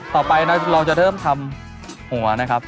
ต่อไปนะเราจะเริ่มทำหัวนะครับ